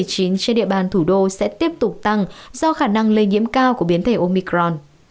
trên địa bàn thủ đô sẽ tiếp tục tăng do khả năng lây nhiễm cao của biến thể omicron